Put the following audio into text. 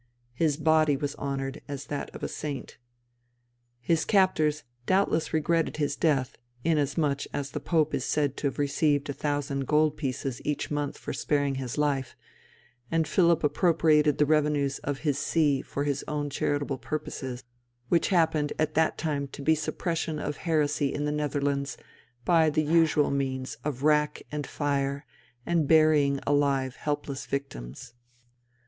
His body was honoured as that of a saint. His captors doubtless regretted his death, inasmuch as the Pope is said to have received a thousand gold pieces each month for sparing his life, and Philip appropriated the revenues of his see for his own charitable purposes, which happened at that time to be suppression of heresy in the Netherlands by the usual means of rack and fire and burying alive helpless victims.